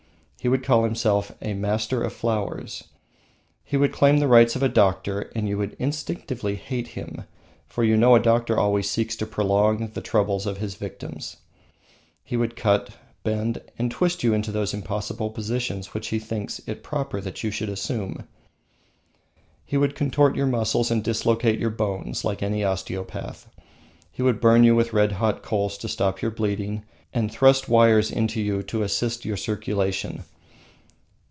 He would call himself a Master of Flowers. He would claim the rights of a doctor and you would instinctively hate him, for you know a doctor always seeks to prolong the troubles of his victims. He would cut, bend, and twist you into those impossible positions which he thinks it proper that you should assume. He would contort your muscles and dislocate your bones like any osteopath. He would burn you with red hot coals to stop your bleeding, and thrust wires into you to assist your circulation.